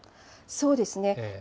そうですね。